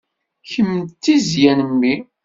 Kemm d tizzya n mmi.